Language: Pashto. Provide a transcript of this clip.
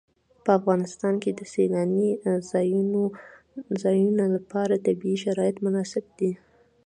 په افغانستان کې د سیلانی ځایونه لپاره طبیعي شرایط مناسب دي.